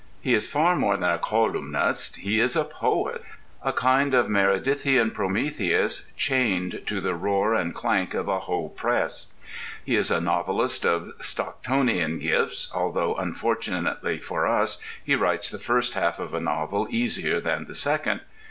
He is far more than a colyumist: he is a poet—a kind of Meredithian Prometheus chained to the roar and clank of a Hoe press. He is a novelist of Stocktonian gifts, although unfortunately for us he writes the first half of a novel easier than the second.